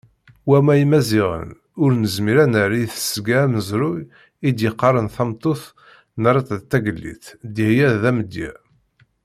Wamma Imaziɣen, ur nezmir ad nerr di tesga amezruy i d-yeqqaren tameṭṭut nerra-tt d tagellidt, Dihya d amedya.